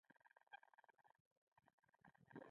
هلک له رحمت سره مهربان دی.